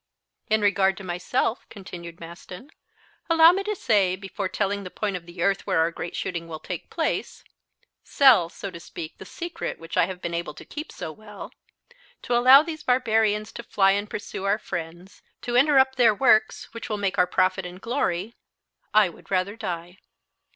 "In regard to myself," continued Maston, "allow me to say, before telling the point of the earth where our great shooting will take place sell, so to speak, the secret which I have been able to keep so well, to allow these barbarians to fly and pursue our friends, to interrupt their works, which will make our profit and glory, I would rather die."